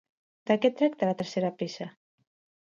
De què tracta la tercera peça?